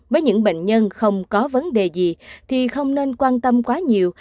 với những bệnh nhân không có vấn đề gì thì không nên quan tâm quá nhiều